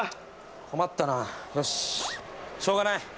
困ったなしょうがない！